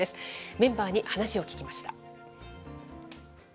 メンバーに話を聞きました。